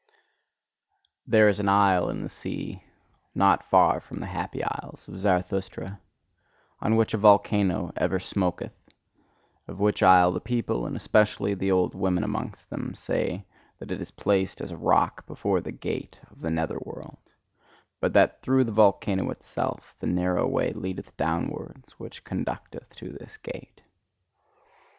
There is an isle in the sea not far from the Happy Isles of Zarathustra on which a volcano ever smoketh; of which isle the people, and especially the old women amongst them, say that it is placed as a rock before the gate of the nether world; but that through the volcano itself the narrow way leadeth downwards which conducteth to this gate.